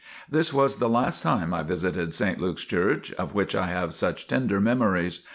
This was the last time I visited St. Luke's Church of which I have such tender memories.